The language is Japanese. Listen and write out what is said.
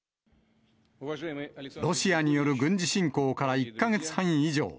ロシアによる軍事侵攻から１か月半以上。